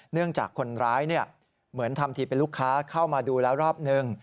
เนื่องจากคนร้ายเหมือนทำทีเป็นลูกค้าเข้ามาดูแล้วรอบนึง